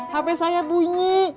hp saya bunyi